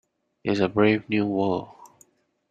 It's a brave new world.